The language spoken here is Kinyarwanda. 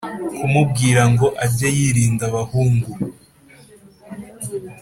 kumubwira ngo age yirinda abahungu.